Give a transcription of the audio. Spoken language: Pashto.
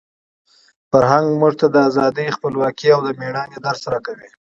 فرهنګ موږ ته د ازادۍ، خپلواکۍ او د مېړانې درس راکوي.